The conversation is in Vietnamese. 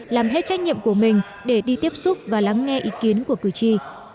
làm hết trách nhiệm của mình để đi tiếp xúc và lắng nghe ý kiến của cử tri